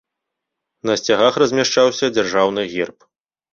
На сцягах размяшчаўся дзяржаўны герб.